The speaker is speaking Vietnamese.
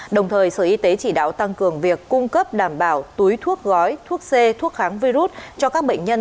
đồng thời sở y tế chỉ đạo tăng cường việc cung cấp đảm bảo túi thuốc gói thuốc c thuốc kháng virus cho các bệnh nhân